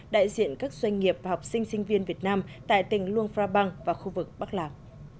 đại diện các doanh nghiệp và học sinh sinh viên việt nam tại tỉnh luông phra bang và khu vực bắc lạc